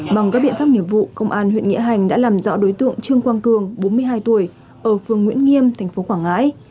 bằng các biện pháp nghiệp vụ công an huyện nghĩa hành đã làm rõ đối tượng trương quang cường bốn mươi hai tuổi ở phường nguyễn nghiêm tp quảng ngãi